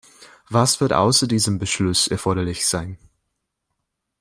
Was wird außer diesem Beschluss erforderlich sein?